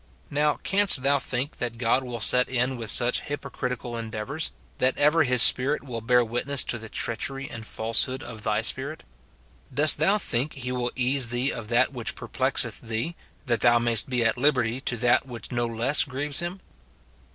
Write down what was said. Now, canst thou think that God will set in with such hypocritical endeavours, — that ever his Spirit will bear witness to the treachery and falsehood of thy spirit ? Dost thou think he will ease thee of that which perplexeth thee, that thou mayst be at liberty to that which no less grieves him